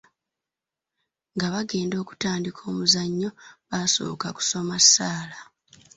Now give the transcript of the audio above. Nga bagenda okutandika omuzannyo, basooka kusoma ssaala.